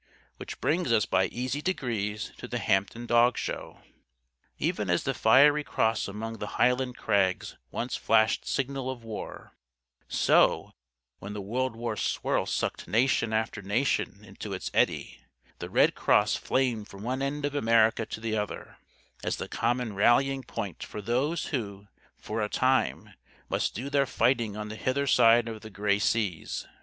Which brings us by easy degrees to the Hampton Dog Show. Even as the Fiery Cross among the Highland crags once flashed signal of War, so, when the World War swirl sucked nation after nation into its eddy, the Red Cross flamed from one end of America to the other, as the common rallying point for those who, for a time, must do their fighting on the hither side of the gray seas.